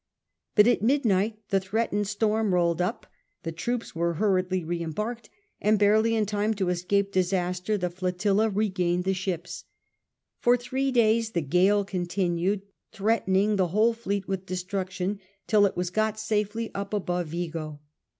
But at midnight the threatened storm rolled up. The troops were hurriedly re embarked ; and barely in time to escape disaster, the flotilla regained the ships. For three days the gale continued, threatening the whole fleet with destruction till it was got safely up above Vigo.